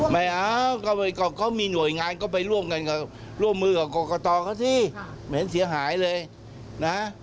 ไม่เอ้าก็มีหน่วยงานก็ไปร่วมกันกับร่วมมือกับกรกฎาเขาสิไม่เห็นเสียหายเลยนะฮะ